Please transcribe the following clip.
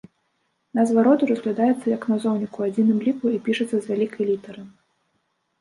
Назва роду разглядаецца як назоўнік ў адзіным ліку і пішацца з вялікай літары.